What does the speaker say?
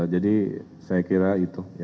jadi saya kira itu